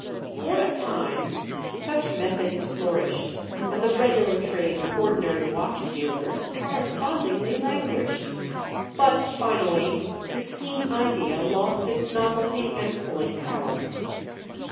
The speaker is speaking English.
For a time, such methods flourished and the regular trade of ordinary watch dealers correspondingly languished. But, finally, the scheme idea lost its novelty and pulling power.